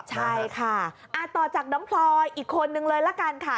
ใช่ค่ะต่อจากน้องพลอยอีกคนนึงเลยละกันค่ะ